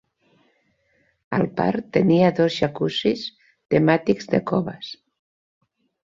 El parc tenia dos jacuzzis temàtics de coves.